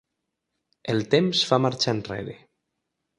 El temps fa marxa enrere.